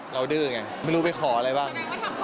ดื้อไงไม่รู้ไปขออะไรบ้าง